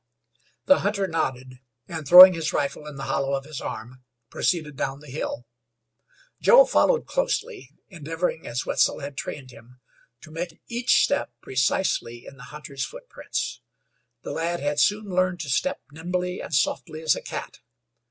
The hunter nodded, and, throwing his rifle in the hollow of his arm, proceeded down the hill. Joe followed closely, endeavoring, as Wetzel had trained him, to make each step precisely in the hunter's footprints. The lad had soon learned to step nimbly and softly as a cat.